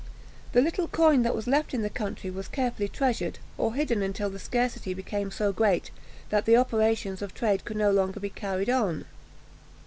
The little coin that was left in the country was carefully treasured, or hidden until the scarcity became so great, that the operations of trade could no longer be carried on.